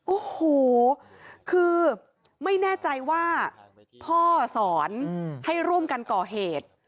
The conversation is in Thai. โอ้โหคือไม่แน่ใจว่าพ่อสอนให้ร่วมกันก่อเหตุ